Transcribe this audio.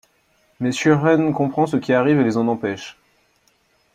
Mais Surehand comprend ce qui arrive et les en empêche.